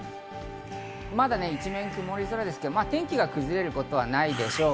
まだ一面、曇り空ですけど天気が崩れることはないでしょう。